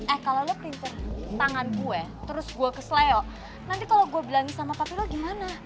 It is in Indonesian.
eh kalau lo pelintir tangan gue terus gue kesel nanti kalau gue bilang sama papi lo gimana